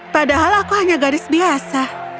padahal aku hanya garis biasa